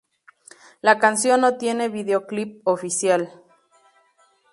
La canción no tiene videoclip oficial.